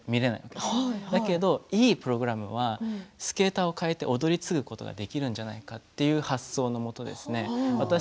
でもいいプログラムはスケーターを代えて踊り継ぐことができるんじゃないかという発想のもと